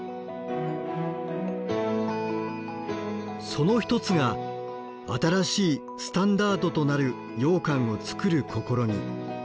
その一つが新しいスタンダードとなるようかんを作る試み。